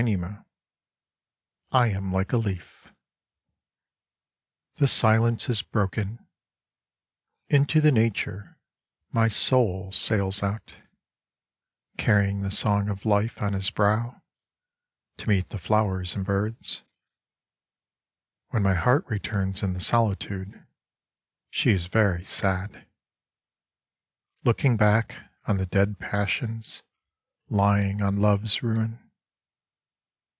ss I AM LIKE A LEAF The silence is broken : into the nature My soul sails out, Carrying the song of life on his brow, To meet the flowers and birds. When my heart returns in the solitude, She is very sad, Looking back on the dead passions Lying on Love's ruin.